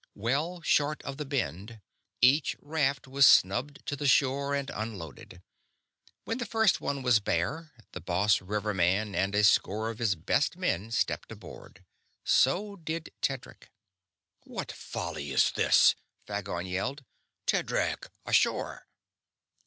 Well short of the Bend, each raft was snubbed to the shore and unloaded. When the first one was bare, the boss riverman and a score of his best men stepped aboard. So did Tedric. "What folly this?" Phagon yelled. "Tedric, ashore!"